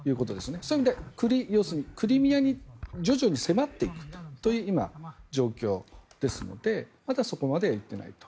そういう意味でクリミアに徐々に迫っていくという今、状況ですのでまだそこまで行ってないと。